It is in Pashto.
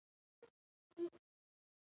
دا بېوزلي له چینايي کلتور سره اړیکه نه لرله.